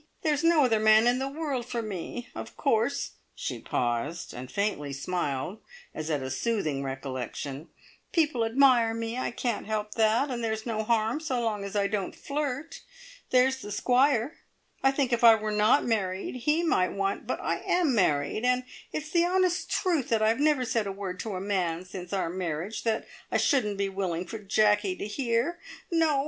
There's no other man in the world for me. Of course," she paused, and faintly smiled, as at a soothing recollection, "people admire me. I can't help that, and there's no harm so long as I don't flirt. There's the Squire. I think if I were not married, he might want but I am married, and it's the honest truth that I've never said a word to a man since our marriage that I shouldn't be willing for Jacky to hear. No!